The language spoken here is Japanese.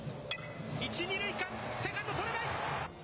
１、２塁間、セカンド、とれない。